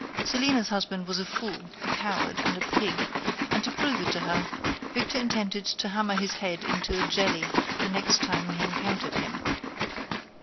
Célina's husband was a fool, a coward, and a pig, and to prove it to her, Victor intended to hammer his head into a jelly the next time he encountered him.